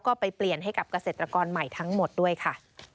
ก็ไปเปลี่ยนให้กับเกษตรกรใหม่ทั้งหมดด้วยค่ะ